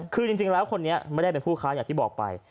คือจริงแล้วคนนี้ไม่ได้เป็นผู้ค้าอย่างที่บอกไป